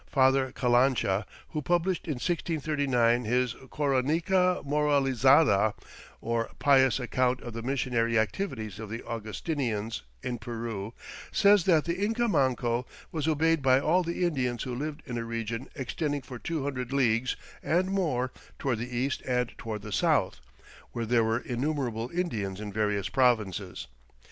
Father Calancha, who published in 1639 his "Coronica Moralizada," or "pious account of the missionary activities of the Augustinians" in Peru, says that the Inca Manco was obeyed by all the Indians who lived in a region extending "for two hundred leagues and more toward the east and toward the south, where there were innumerable Indians in various provinces."